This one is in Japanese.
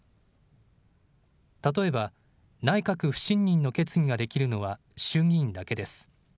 例えば、内閣不信任の決議ができるのは衆議院だけです。